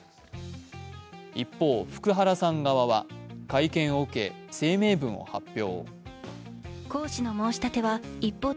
一方、福原さん側は会見を受け声明文を発表。